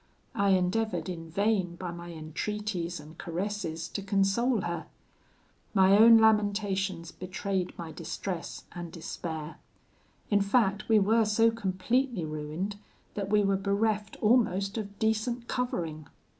I endeavoured, in vain, by my entreaties and caresses, to console her. My own lamentations betrayed my distress and despair. In fact, we were so completely ruined, that we were bereft almost of decent covering.